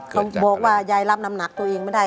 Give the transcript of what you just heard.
เขาบอกว่ายายรับน้ำหนักตัวเองไม่ได้